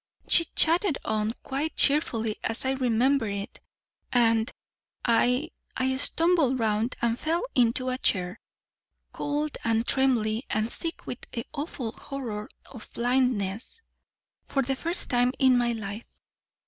"She chatted on quite cheerfully as I remember it. And I I stumbled round and fell into a chair, cold and trembly and sick with the awful horror of blindness, for the first time in my life.